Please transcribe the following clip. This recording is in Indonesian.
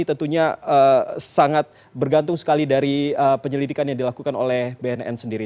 tentunya sangat bergantung sekali dari penyelidikan yang dilakukan oleh bnn sendiri